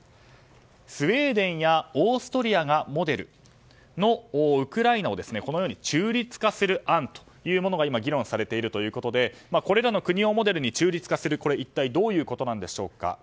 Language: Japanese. スウェーデンやオーストリアがモデルのウクライナを中立化する案というものが今、議論されているということでこれらの国をモデルに中立化するとは一体どういうことでしょうか。